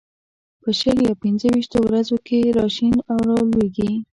په شل یا پنځه ويشتو ورځو کې را شین او لوېږي.